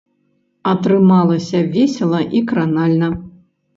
Атрымалася весела і кранальна.